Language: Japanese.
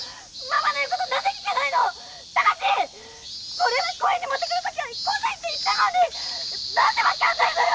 これは公園に持ってくるときは来ないって言ったのに何で分かんないのよ！